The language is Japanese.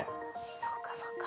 そうかそうか。